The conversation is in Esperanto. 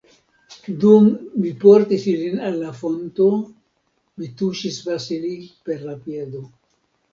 Dum mi portis ilin al la fonto, mi tuŝis Vasili per la piedo.